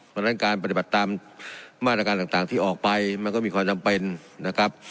เพราะฉะนั้นการปฏิบัติตามมาตรการต่างที่ออกไปมันก็มีความจำเป็นนะครับ